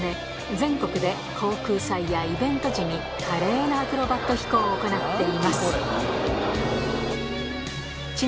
全国で航空祭やイベント時に華麗なアクロバット飛行を行っています